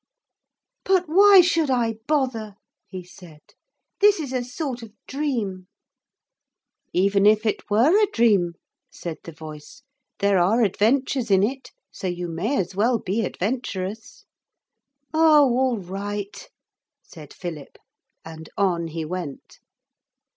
'But why should I bother?' he said; 'this is a sort of dream.' 'Even if it were a dream,' said the voice, 'there are adventures in it. So you may as well be adventurous.' 'Oh, all right,' said Philip, and on he went.